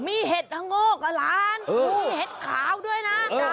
มีเห็ดละโงกล้านเออมีเห็ดขาวด้วยน่ะเออ